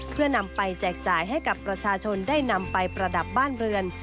เพื่อนำไปแจกจ่ายให้กับประชาชนได้นำไปประดับบ้านเรือน